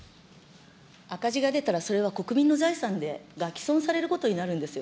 赤字が出たらそれは国民の財産が毀損されることになるんですよ。